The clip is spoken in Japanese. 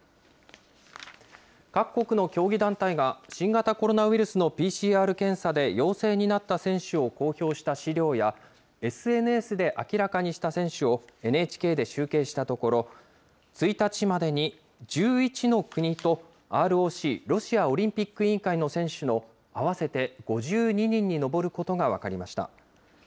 各国の競技団体が、新型コロナウイルスのＰＣＲ検査で陽性になった選手を公表した資料や、ＳＮＳで明らかにした選手を、ＮＨＫで集計したところ、１日までに１１の国と、ＲＯＣ・ロシアオリンピック委員会の選手の合わせて５２人に上ることが分かりました。